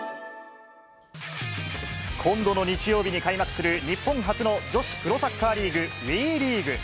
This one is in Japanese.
今度の日曜日に開幕する、日本初の女子プロサッカーリーグ、ＷＥリーグ。